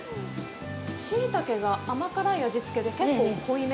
シイタケが甘辛い味付けで結構濃いめ。